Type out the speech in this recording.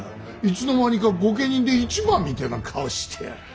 いつの間にか御家人で一番みてえな顔して。